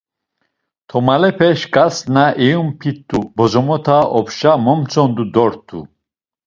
Tomalepe şǩas na eyumpit̆u bozomota opşa momtzondu dort̆u.